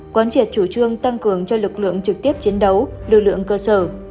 quán triệt chủ trương tăng cường cho lực lượng trực tiếp chiến đấu lực lượng cơ sở